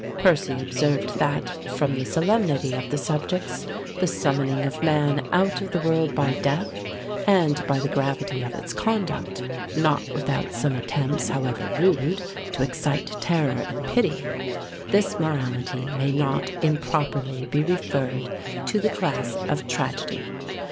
Percy observed that, from the solemnity of the subjects, the summoning of man out of the world by death, and by the gravity of its conduct, not without some attempts, however rude, to excite terror and pity, this Morality may not improperly be referred to the class of Tragedy.